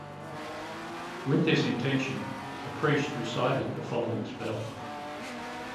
With this intention, a priest recited the following spell.